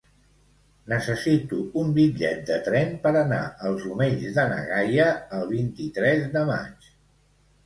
Necessito un bitllet de tren per anar als Omells de na Gaia el vint-i-tres de maig.